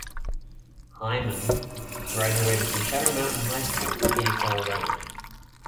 Hyman graduated from Shadow Mountain High School in Phoenix, Arizona.